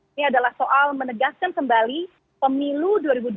ini adalah soal menegaskan kembali pemilu dua ribu dua puluh